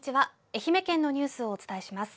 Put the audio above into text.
愛媛県のニュースをお伝えします。